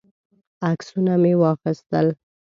عکسونه مو واخیستل.